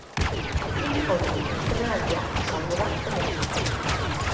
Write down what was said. Film honen estreinaldia izango da telebistan.